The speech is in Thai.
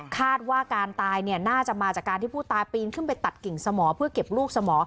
คาดว่าการตายน่าจะมาจากการที่ผู้ตายปีนขึ้นไปตัดกิ่งสมอเพื่อเก็บลูกสมอง